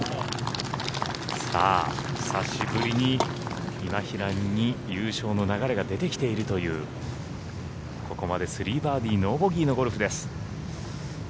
久しぶりに今平に優勝の流れが出てきているというここまで３バーディー、ノーボギーです。